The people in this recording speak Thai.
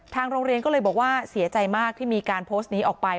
โรงเรียนก็เลยบอกว่าเสียใจมากที่มีการโพสต์นี้ออกไป